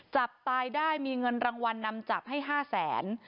จับตายได้มีเงินรางวัลนำจับให้๕แสน